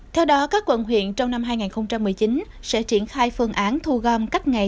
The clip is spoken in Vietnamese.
theo đó các quận huyện trong năm hai nghìn một mươi chín sẽ triển khai phương án thu gom cách ngày